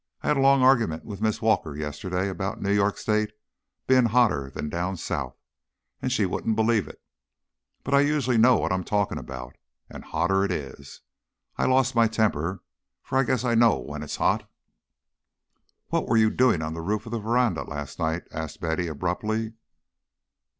"I had a long argument with Miss Walker yesterday about New York State bein' hotter 'n down South, and she wouldn't believe it. But I usually know what I'm talkin' about, and hotter it is. I near lost my temper, for I guess I know when it's hot " "What were you doing on the roof of the veranda last night?" asked Betty, abruptly.